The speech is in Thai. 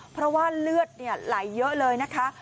เพราะว่าเลือดไหลเยอะเลยนะคะ